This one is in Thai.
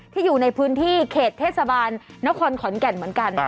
อยู่ในพื้นที่เขตเทศบาลนครขอนแก่นเหมือนกัน